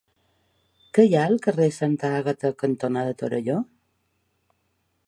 Què hi ha al carrer Santa Àgata cantonada Torelló?